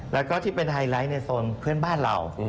แล้วก็ที่เป็นไฮไลท์ในโซนเพื่อนบ้านเรา